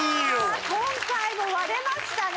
今回も割れましたね。